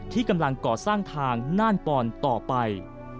ที่กำลังก่อสร้างทางน่านปอนต่อไป